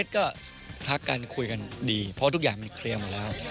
ก็ทักกันคุยกันดีเพราะทุกอย่างมันเคลียร์หมดแล้ว